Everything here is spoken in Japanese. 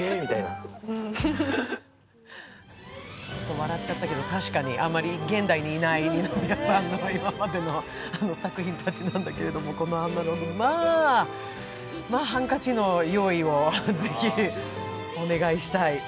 笑っちゃったけど、確かにあまり現代にいない二宮さんの今までの作品たちなんだけれど、この「アナログ」、まあ、ハンカチの用意をぜひお願いしたい。